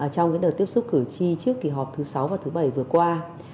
trong đợt tiếp xúc cử tri trước kỳ họp thứ sáu và thứ bảy vừa qua